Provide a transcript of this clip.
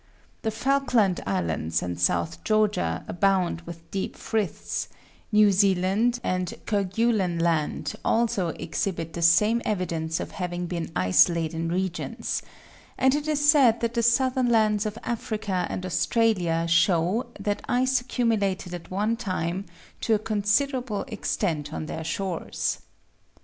The Falkland Islands and South Georgia abound with deep friths; New Zealand and Kerguelen Land also exhibit the same evidence of having been ice laden regions; and it is said that the southern lands of Africa and Australia show that ice accumulated at one time to a considerable extent on their shores.